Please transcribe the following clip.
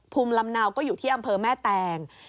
ภูมิลำเนาก็อยู่ที่อำเภอแม่แตง